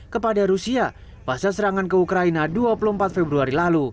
kepada rusia pasca serangan ke ukraina dua puluh empat februari lalu